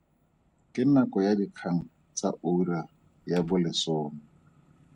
Ke nako ya dikgang tsa ura ya bolesome.